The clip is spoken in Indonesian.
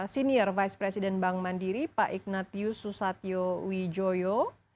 senior vice president bank mandiri pak ignatius susatyo wijoyo